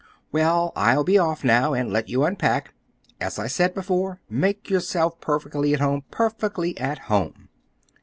Well, I'll be off now, and let you unpack. As I said before, make yourself perfectly at home, perfectly at home."